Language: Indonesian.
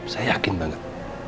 saya yakin banget